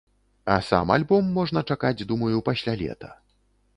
А сам альбом можна чакаць, думаю, пасля лета.